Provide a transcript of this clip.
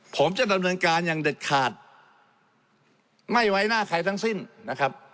ผมจะดำเนินการอย่างเด็ดขาดไม่ไว้หน้าใครทั้งสิ้นนะครับ